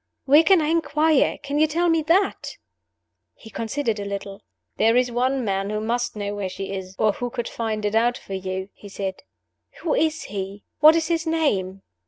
"Where can I inquire? Can you tell me that?" He considered a little. "There is one man who must know where she is or who could find it out for you," he said. "Who is he? What is his name?"